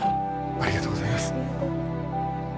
ありがとうございます。